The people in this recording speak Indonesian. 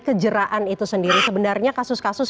kejeraan itu sendiri sebenarnya kasus kasus